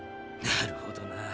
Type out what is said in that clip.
なるほどな。